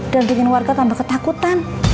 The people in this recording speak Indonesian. dan dingin warga tambah ketakutan